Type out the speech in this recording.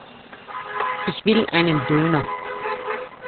Ich will einen Döner.